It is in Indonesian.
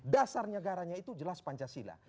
dasar negaranya itu jelas pancasila